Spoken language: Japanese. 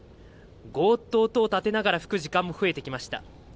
ゴーっと音を立てながら吹く時間も増えてきました。